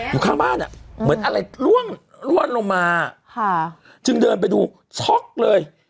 อยู่ข้างบ้านอ่ะเหมือนอะไรล่วงลงมาจึงเดินไปดูช็อกเลย